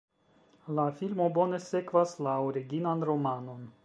La filmo bone sekvas la originan romanon.